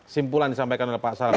simpulan disampaikan oleh pak saleh